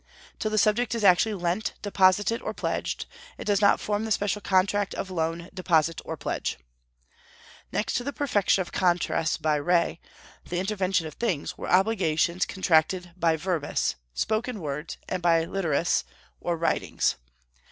Till the subject is actually lent, deposited, or pledged, it does not form the special contract of loan, deposit, or pledge." Next to the perfection of contracts by re, the intervention of things, were obligations contracted by verbis, spoken words, and by literis, or writings.